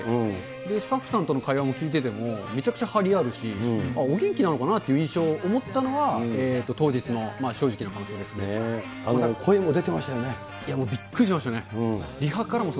スタッフさんとの会話を聞いてても、めちゃくちゃ張りあるし、お元気なのかなっていう印象を持ったの声も出てましたよね。